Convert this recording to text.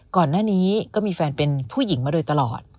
ก่อนหน้านี้ก็มีแฟนเป็นผู้หญิงมาโดยตลอด